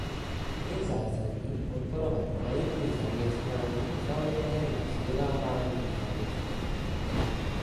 Je zásadní podporovat kvalitní zaměstnání založené na vzdělávání zaměstnanců.